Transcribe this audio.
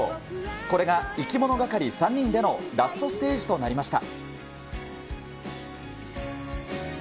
これがいきものがかり３人でのラストステージとなりました。